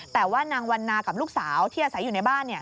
แต่ว่านางวันนากับลูกสาวที่อาศัยอยู่ในบ้าน